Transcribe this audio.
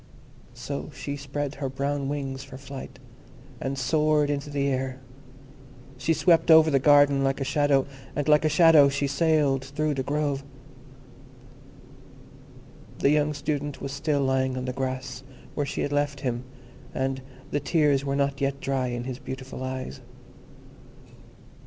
So she spread her brown wings for flight, and soared into the air. She swept over the garden like a shadow, and like a shadow she sailed through the grove. The young Student was still lying on the grass, where she had left him, and the tears were not yet dry in his beautiful eyes.